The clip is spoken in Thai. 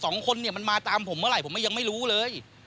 สองคนเนี่ยมันมาตามผมเมื่อไหร่ผมยังไม่รู้เลย